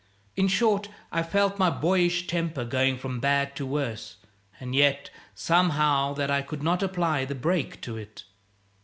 In short, I felt my boyish temper going from bad to worse, and yet, somehow, that I could not apply the brake to it.